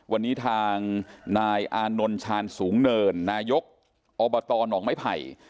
วันนี้ทางนายอานนท์ชาญสูงเนินนายกอบตหนองไม้ไผ่